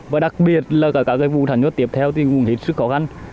và đặc biệt là cả các vụ sản xuất tiếp theo thì cũng hết sức khó khăn